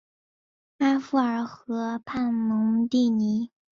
阿夫尔河畔蒙蒂尼。